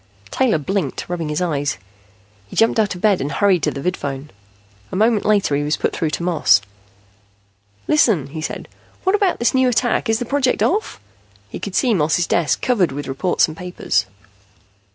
Taylor blinked, rubbing his eyes. He jumped out of bed and hurried to the vidphone. A moment later he was put through to Moss. "Listen," he said. "What about this new attack? Is the project off?" He could see Moss's desk, covered with reports and papers.